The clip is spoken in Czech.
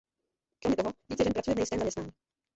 Kromě toho, více žen pracuje v nejistém zaměstnání.